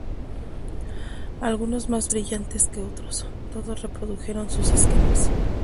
Algunos más brillantes que otros, todos reprodujeron sus esquemas.